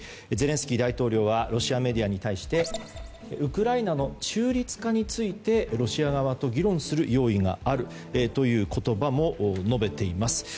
ゼレンスキー大統領はロシアメディアに対してウクライナの中立化についてロシア側と議論する用意があるという言葉も述べています。